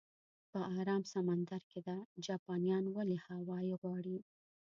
هغه په ارام سمندر کې ده، جاپانیان ولې هاوایي غواړي؟